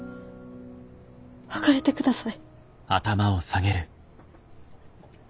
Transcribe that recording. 別れてください。